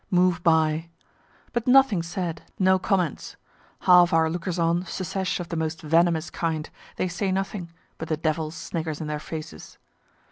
move by; but nothing said, no comments; (half our lookers on secesh of the most venomous kind they say nothing; but the devil snickers in their faces.)